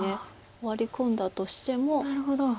ワリ込んだとしても。